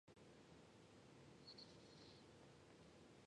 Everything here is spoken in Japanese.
ぜいたくで華やかで、きらびやかで美しいさま。